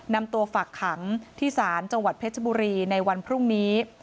นำตัวฝากขังที่ศาลจังหวัดเพชรบุรีในวันพรุ่งนี้